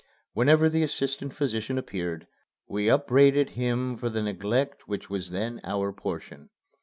Whenever the assistant physician appeared, we upbraided him for the neglect which was then our portion.